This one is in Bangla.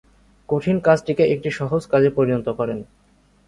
কঠিন কাজটিকে একটি সহজ কাজে পরিণত করেন।